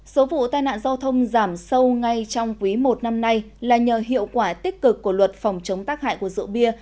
số vụ tai nạn giao thông giảm sâu ngay trong quý i năm nay là nhờ hiệu quả tích cực của luật phòng chống tác hại của rượu bia